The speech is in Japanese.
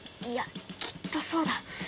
いやきっとそうだ！